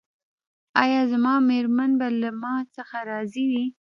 ایا زما میرمن به له ما څخه راضي وي؟